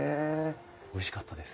おいしかったです。